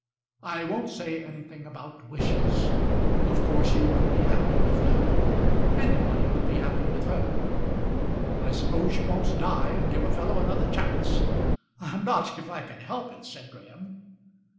I won't say anything about wishes. Of course you will be happy with her. Anybody would be happy with her. I suppose you won't die, and give a fellow another chance." "Not if I can help it," said Graham.